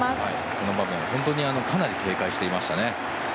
この場面はかなり警戒していましたね。